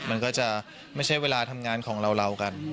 มันก็จะไม่ใช่เวลาทำงานของเรากัน